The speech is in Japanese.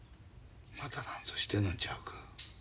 また何ぞしてんのんちゃうか。